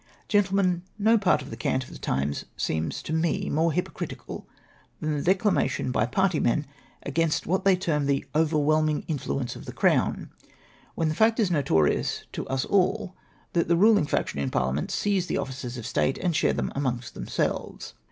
" Gentlemen, no joart of the cant of the times seems to me more hypocritical than the declamation by party men against what they term the ' overwhelming influence of the Crown ;' when the fact is notorious to us all that the ruling faction in Parliament seize the offices of state and share them amonofst themselves.